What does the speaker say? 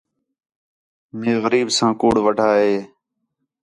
مے غریب ساں کُوڑ وڈھا ہِے